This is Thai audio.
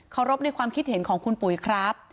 รบในความคิดเห็นของคุณปุ๋ยครับ